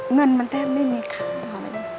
เงินมันแทบไม่มีค่าค่ะ